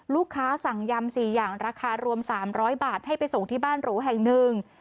สั่งยำ๔อย่างราคารวม๓๐๐บาทให้ไปส่งที่บ้านหรูแห่งหนึ่ง